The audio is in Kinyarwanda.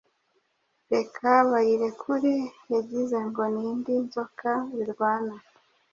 Reka bayirekure Yagize ngo nindi nzoka birwana